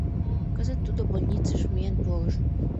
— Кызыт тудо больницыш миен пурыш.